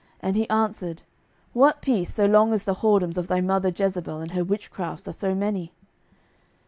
And he answered, What peace, so long as the whoredoms of thy mother Jezebel and her witchcrafts are so many?